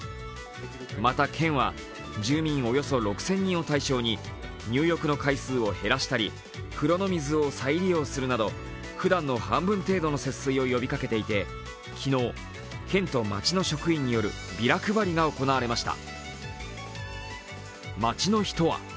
また県は住民およそ６０００人を対象に入浴の回数を減らしたり風呂の水を再利用するなどふだんの半分程度の節水を呼びかけていて昨日、県と町の職員によるビラ配りが行われました。